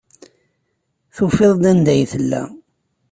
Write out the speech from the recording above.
Tufiḍ-d anda ay tella.